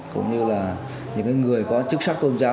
cũng như là những người có chức sắc tôn giáo